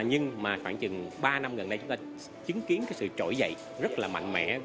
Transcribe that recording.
nhưng mà khoảng chừng ba năm gần đây chúng ta chứng kiến cái sự trỗi dậy rất là mạnh mẽ